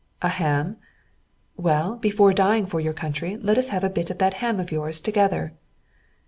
"A ham." "Well, before dying for your country, let us have a bit of that ham of yours together."